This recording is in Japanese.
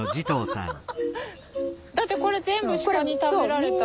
だってこれ全部鹿に食べられたんやもんね。